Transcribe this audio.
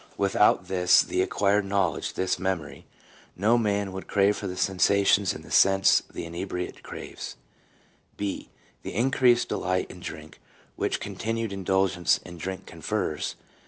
Without this acquired knowledge, this memory, no man would crave for the sensations in the sense the inebriate craves, (b) The increased delight in drink which continued indulgence in drink confers.